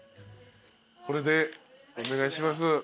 これでお願いします。